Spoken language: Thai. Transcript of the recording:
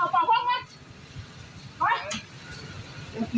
ไป